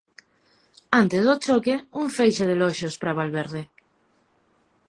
Antes do choque un feixe de eloxios pra Valverde.